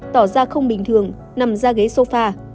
tỏ ra không bình thường nằm ra ghế sofa